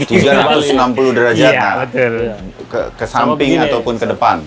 tiga ratus enam puluh derajat ke samping ataupun ke depan